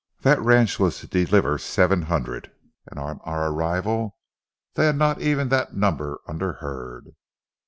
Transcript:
That ranch was to deliver seven hundred, and on our arrival they had not even that number under herd.